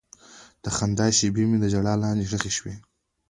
د خندا شېبې مې د ژړا لاندې ښخې شوې.